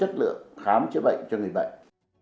cái chất lượng khám chứa bệnh cho người bệnh